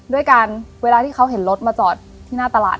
ด้วยการเวลาที่เขาเห็นรถมาจอดที่หน้าตลาด